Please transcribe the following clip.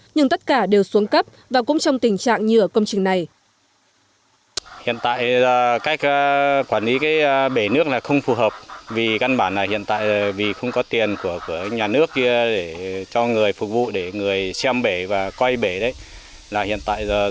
nhưng tất cả đều xuống cấp và cũng trong tình trạng như ở công trình này